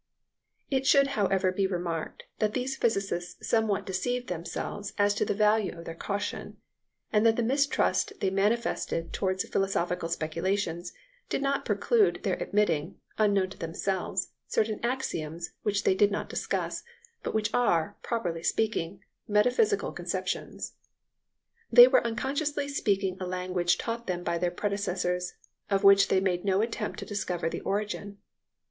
It should however be remarked that these physicists somewhat deceived themselves as to the value of their caution, and that the mistrust they manifested towards philosophical speculations did not preclude their admitting, unknown to themselves, certain axioms which they did not discuss, but which are, properly speaking, metaphysical conceptions. They were unconsciously speaking a language taught them by their predecessors, of which they made no attempt to discover the origin.